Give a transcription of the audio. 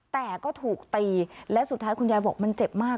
แต่ก็ถูกตีและสุดท้ายคุณยายบอกมันเจ็บมาก